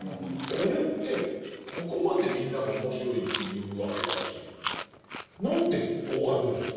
これってここまでみんなが面白いというわけだし何で終わるんですか？